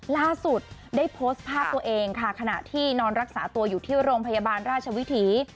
ล่าสุดได้โพสต์ภาพตัวเองค่ะขณะที่นอนรักษาตัวอยู่ที่โรงพยาบาลราชวิถี